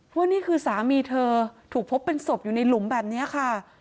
ว่านี่คือสามีเธอถูกพบเป็นศพอยู่ในหลุมแบบนี้ค่ะ